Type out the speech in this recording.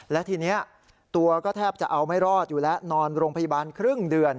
และทีนี้ตัวก็แทบจะเอาไม่รอดอยู่แล้วนอนโรงพยาบาลครึ่งเดือน